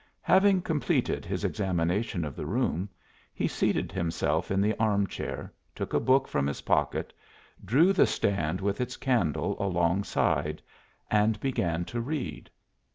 Having completed his examination of the room, he seated himself in the arm chair, took a book from his pocket, drew the stand with its candle alongside and began to read.